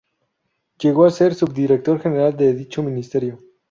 Llegó a ser subdirector general de dicho ministerio.